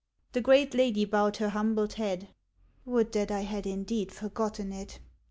The great lady bowed her humbled head. " Would that I had indeed forgotten it !"